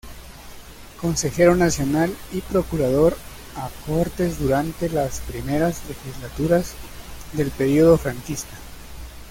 Consejero Nacional y procurador a Cortes durante las primeras legislaturas del período franquista.